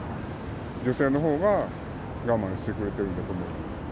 女性のほうが我慢してくれてるんだと思います。